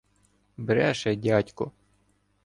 Бреше дядько.